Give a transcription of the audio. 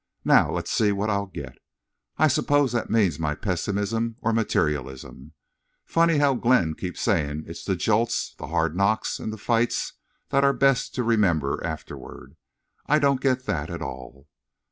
Now let's see what I'll get. I suppose that's my pessimism or materialism. Funny how Glenn keeps saying its the jolts, the hard knocks, the fights that are best to remember afterward. I don't get that at all."